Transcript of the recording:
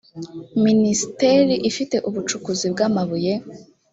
minisiteri ifite ubucukuzi bw ‘amabuye.